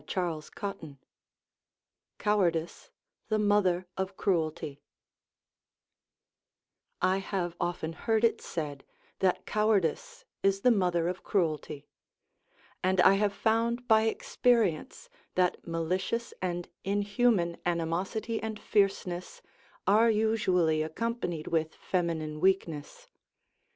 CHAPTER XXVII COWARDICE THE MOTHER OF CRUELTY I have often heard it said that cowardice is the mother of cruelty; and I have found by experience that malicious and inhuman animosity and fierceness are usually accompanied with feminine weakness.